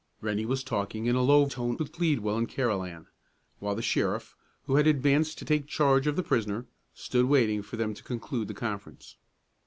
Rennie was talking, in a low tone, with Pleadwell and Carolan, while the sheriff, who had advanced to take charge of the prisoner, stood waiting for them to conclude the conference.